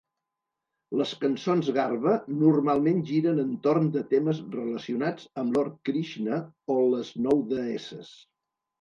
Les cançons Garba normalment giren entorn de temes relacionats amb Lord Krishna o les nou deesses.